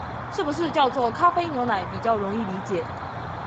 是不是叫做「咖啡牛奶」比較容易理解